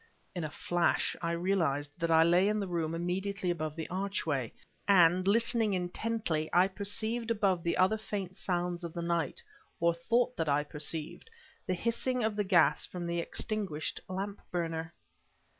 In a flash I realized that I lay in the room immediately above the archway; and listening intently, I perceived above the other faint sounds of the night, or thought that I perceived, the hissing of the gas from the extinguished lamp burner.